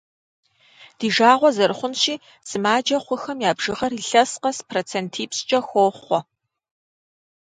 Ди жагъуэ зэрыхъунщи, сымаджэ хъухэм я бжыгъэр илъэс къэс процентипщӏкӏэ хохъуэ.